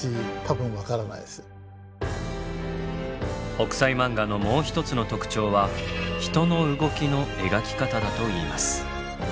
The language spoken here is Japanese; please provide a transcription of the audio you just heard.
「北斎漫画」のもう一つの特徴は人の動きの描き方だといいます。